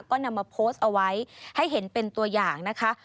ก็นำมาโพสต์เอาไว้ให้เห็นเป็นตัวอย่างนะคะ